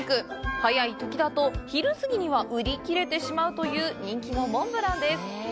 早いときだと、昼過ぎには売り切れてしまうという人気のモンブランです。